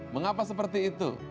mengapa seperti itu